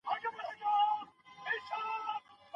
لکه څنګه چي د واهبې لپاره د شپې د تغير صلاحيت خاوند نه درلود.